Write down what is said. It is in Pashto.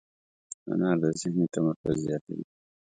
انار د ذهني تمرکز زیاتوي.